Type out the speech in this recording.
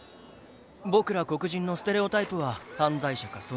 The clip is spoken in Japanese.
僕ら黒人のステレオタイプは犯罪者かその予備軍。